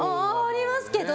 ありますけど。